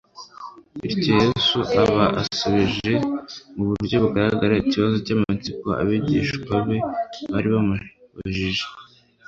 Bityo Yesu aba asubije mu buryo bugaragara ikibazo cy'amatsiko abigishwa be bari bamubajije.